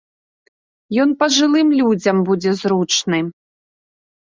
Ён пажылым людзям будзе зручны.